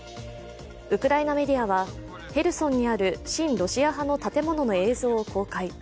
ウクライナメディアはヘルソンにある親ロシア派の建物の映像を公開。